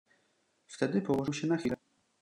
"Wtedy położył się na chwilę."